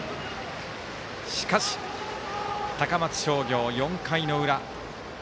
しかし、高松商業、４回の裏。